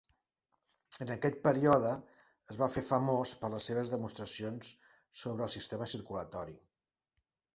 En aquest període, es va fer famós per les seves demostracions sobre el sistema circulatori.